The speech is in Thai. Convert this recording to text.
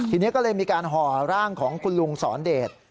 ทีนี้ก็เลยมีการห่อร่างของคุณลุงสอนเดช